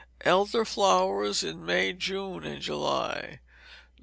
Elder Flowers in May, June, and July.